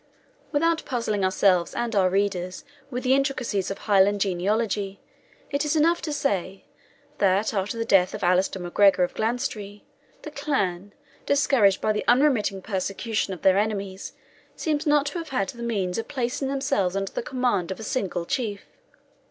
Without puzzling ourselves and our readers with the intricacies of Highland genealogy, it is enough to say, that after the death of Allaster MacGregor of Glenstrae, the clan, discouraged by the unremitting persecution of their enemies, seem not to have had the means of placing themselves under the command of a single chief.